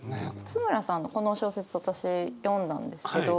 津村さんのこの小説私読んだんですけど。